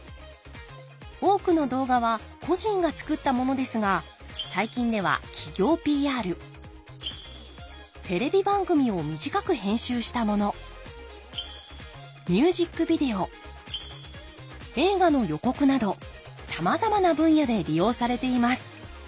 多くの動画は個人が作ったものですが最近では企業ＰＲテレビ番組を短く編集したものミュージックビデオ映画の予告などさまざまな分野で利用されています。